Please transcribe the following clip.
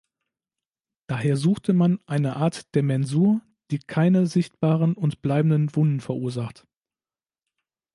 Daher suchte man eine Art der Mensur, die keine sichtbaren und bleibenden Wunden verursacht.